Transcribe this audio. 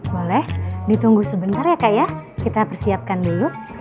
boleh ditunggu sebentar ya kak ya kita persiapkan dulu